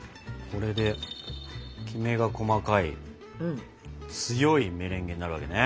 これでキメが細かい強いメレンゲになるわけね。